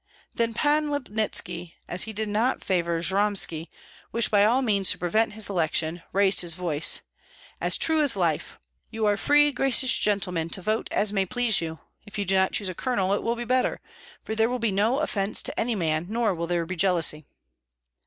Then Pan Lipnitski, as he did not favor Jyromski, and wished by all means to prevent his election, raised his voice, "As true as life! You are free, gracious gentlemen, to vote as may please you. If you do not choose a colonel, it will be better; for there will be no offence to any man, nor will there be jealousy."